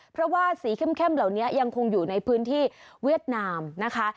เพราะว่าสีเข้มเหล่านี้ยังคงอยู่ในพื้นที่เวียดนามนะคะ